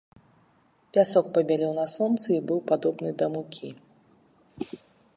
Пясок пабялеў на сонцы і быў падобны да мукі.